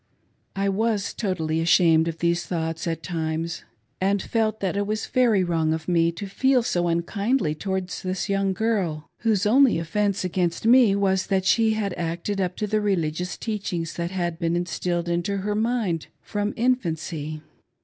I was totally ashamed of these thoughts, at times, and felt that it was very wrong of me to feel so unkindly towards this young girl, whose only offence against me was that she had acted up to the religious teachings that had been instilled into her mind from infancy.